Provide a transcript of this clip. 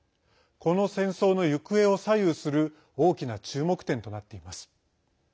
この戦争の行方を左右する大きな注目点となっています。